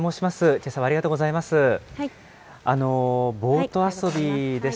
けさはありがとうございます。